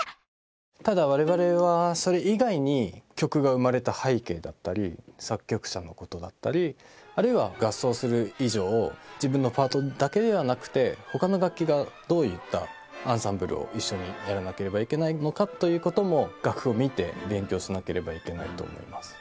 ただ我々はそれ以外に曲が生まれた背景だったり作曲者のことだったりあるいは合奏する以上自分のパートだけではなくて他の楽器がどういったアンサンブルを一緒にやらなければいけないのかということも楽譜を見て勉強しなければいけないと思います。